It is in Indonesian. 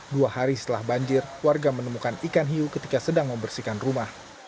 dua hari setelah banjir warga menemukan ikan hiu ketika sedang membersihkan rumah